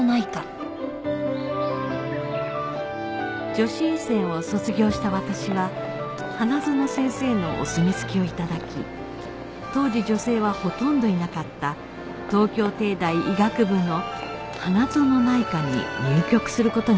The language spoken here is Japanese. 女子医専を卒業した私は花園先生のお墨付きを頂き当時女性はほとんどいなかった東京帝大医学部の花園内科に入局する事になりました